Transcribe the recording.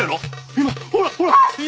今ほらほら犬。